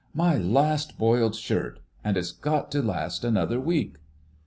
"My last boiled shirt—and it's got to last another week!"